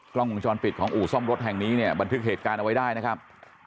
กล้องวงจรปิดของอู่ซ่อมรถแห่งนี้เนี่ยบันทึกเหตุการณ์เอาไว้ได้นะครับ